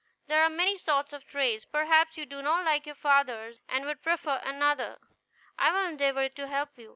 There are many sorts of trades. Perhaps you do not like your father's, and would prefer another; I will endeavor to help you.